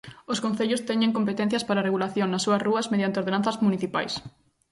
Os concellos teñen competencias para a regulación nas súas rúas mediante ordenanzas municipais.